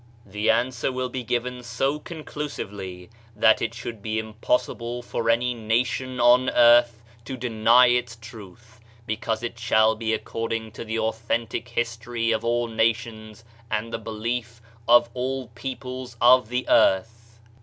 The answer will be given so conclusively that it should be impossible for any nation on earth to deny its truth; because it shall be according to the authentic history of all nations and the belief of all peoples of the earth.